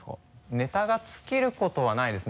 ネタが尽きることはないですね。